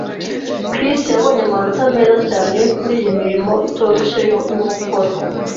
Chris yabonye amanota meza cyane kuriyi mirimo itoroshye yo mukoro.